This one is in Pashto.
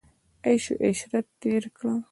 عیش او عشرت تېر کړ.